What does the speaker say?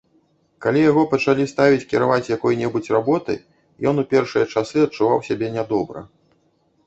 Калі яго пачалі ставіць кіраваць якой-небудзь работай, ён у першыя часы адчуваў сябе нядобра.